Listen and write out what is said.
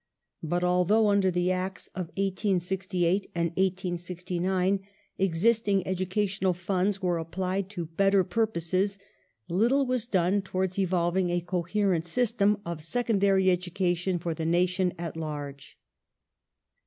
^ But, although under the Acts of 1868 and 1869 existing educa tional funds were applied to better purposes, little was done to wards evolving a coherent system of secondary education for the nation at large.